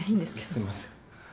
すんません。